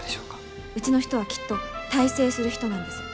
うちの人はきっと大成する人なんです。